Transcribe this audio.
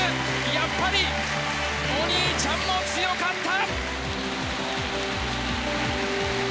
やっぱりお兄ちゃんも強かった！